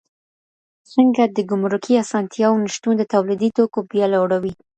څنګه د ګمرکي اسانتیاوو نشتون د تولیدي توکو بیه لوړوي؟